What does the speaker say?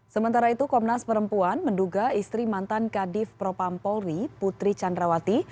sementara itu komnas perempuan menduga istri mantan kadif propampolwi putri chandrawati